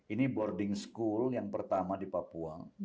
ini boarding school yang pertama di papua